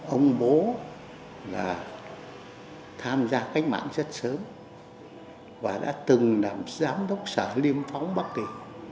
ông bố là tham gia cách mạng rất sớm và đã từng làm giám đốc sở liêm phóng bắc kỳ